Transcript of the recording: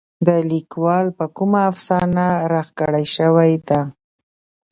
د ليکوال په کومه افسانه رغ کړے شوې ده.